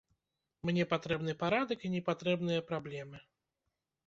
Мне патрэбны парадак і не патрэбныя праблемы.